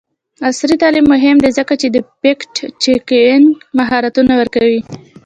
عصري تعلیم مهم دی ځکه چې د فکټ چیکینګ مهارتونه ورکوي.